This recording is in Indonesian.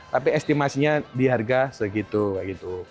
tapi estimasinya di harga segitu